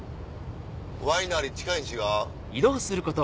ワイナリー近いん違う？